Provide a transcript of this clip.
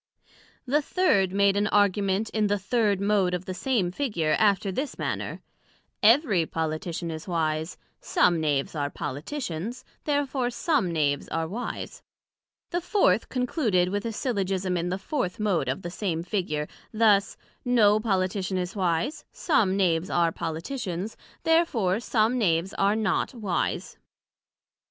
The third made an Argument in the third Mode of the same Figure, after this manner: Every Politician is wise: some Knaves are Politicians, Therefore some Knaves are wise. The Fourth concluded with a Syllogism in the fourth Mode of the same Figure, thus; No Politician is wise: some Knaves are Politicians, Therefore some Knaves are not wise.